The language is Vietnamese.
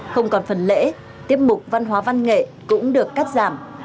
không còn phần lễ tiết mục văn hóa văn nghệ cũng được cắt giảm